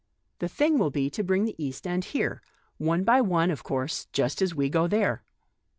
The thing will be to bring the East End here. One by one, of course, just as we go there."